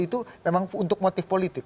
itu memang untuk motif politik